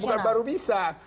bukan baru bisa